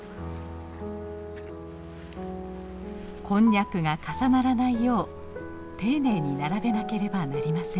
こんにゃくが重ならないよう丁寧に並べなければなりません。